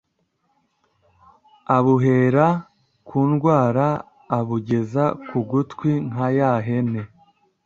abuhera ku rwara abugeza ku gutwi nka ya hene